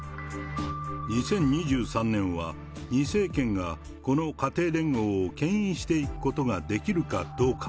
２０２３年は、２世圏がこの家庭連合をけん引していくことができるかどうか。